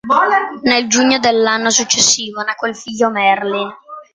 Nel giugno dell'anno successivo nacque il figlio Merlin.